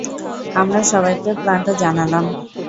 আমরা সবাইকে প্ল্যানটা জানালাম।